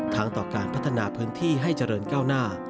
ต่อการพัฒนาพื้นที่ให้เจริญก้าวหน้า